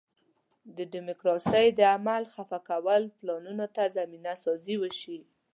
د ډیموکراسۍ د عمل خفه کولو پلانونو ته زمینه سازي وشي.